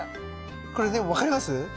これね分かります？